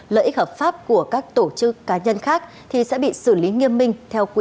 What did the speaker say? lợi ích hợp pháp của các tổ chức cá nhân khác thì sẽ bị xử lý nghiêm minh